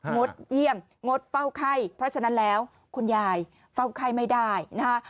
งดเยี่ยมงดเฝ้าไข้เพราะฉะนั้นแล้วคุณยายเฝ้าไข้ไม่ได้นะฮะ